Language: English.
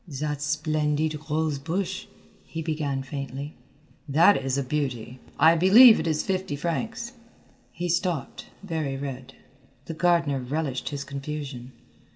"That splendid rose bush," he began faintly. "That is a beauty. I believe it is fifty francs " He stopped, very red. The gardener relished his confusion.